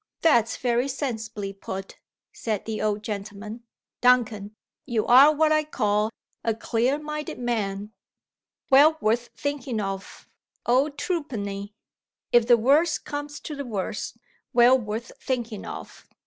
"That's very sensibly put," said the old gentleman. "Duncan! you are, what I call, a clear minded man. Well worth thinking of, old Truepenny! If the worst comes to the worst, well worth thinking of!"